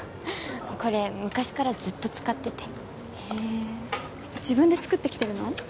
これ昔からずっと使っててへえ自分で作ってきてるの？